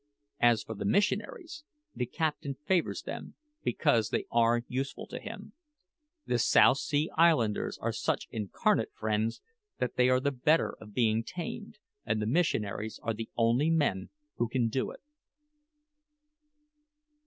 As for the missionaries, the captain favours them because they are useful to him. The South Sea Islanders are such incarnate fiends that they are the better of being tamed, and the missionaries are the only men who can do it."